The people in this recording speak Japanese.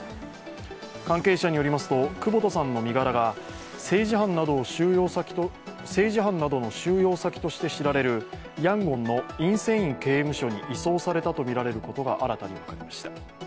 関係者によりますと久保田さんの身柄が政治犯などの収容先として知られるヤンゴンのインセイン刑務所に移送されたとみられることが新たに分かりました。